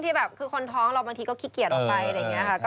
ที่คนท้องเราบางทีก็ขี้เกียจออกไป